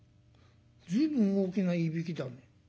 「随分大きないびきだね。